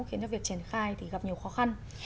khiến cho việc triển khai gặp nhiều khó khăn